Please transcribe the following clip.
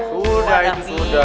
sudah itu sudah